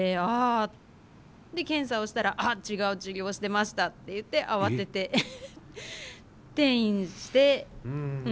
検査をしたら違う治療をしていましたって言って慌てて転院して。